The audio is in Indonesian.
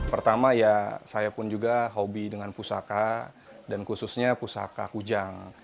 pertama ya saya pun juga hobi dengan pusaka dan khususnya pusaka kujang